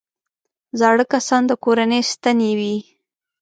زاړه کسان د کورنۍ ستنې وي